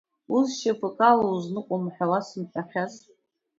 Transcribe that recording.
Узшьапык ала узныҟәом ҳәа уасымҳәахьаз.